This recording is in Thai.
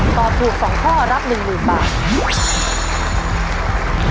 ตอบถูก๒ข้อรับ๑๐๐๐บาท